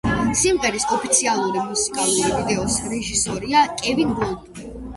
სიმღერის ოფიციალური მუსიკალური ვიდეოს რეჟისორია კევინ გოდლი.